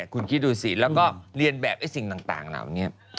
คุณคิดดูสิแล้วก็เรียนแบบไอ้สิ่งต่างเหล่านี้